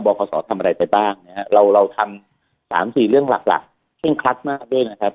บอกข้อสอบทำอะไรไปบ้างเราทำ๓๔เรื่องหลักเพิ่งคัดมากด้วยนะครับ